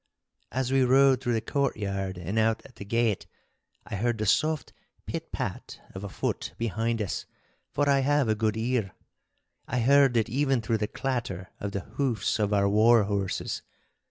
As we rode through the courtyard and out at the gate, I heard the soft pit pat of a foot behind us, for I have a good ear. I heard it even through the clatter of the hoofs of our war horses.